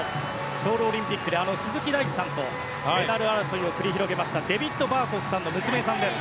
ソウルオリンピックで鈴木大地さんとメダル争いを繰り広げましたデビッド・バーコフさんの娘さんです。